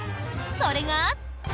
それが。